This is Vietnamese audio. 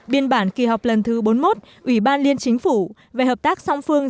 biên bản kỳ họp lần thứ bốn mươi một ủy ban liên chính phủ về hợp tác song phương